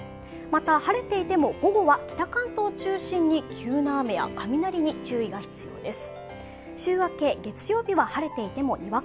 また、晴れていても午後は北関東を中心に急な雨や雷に注意が必要です。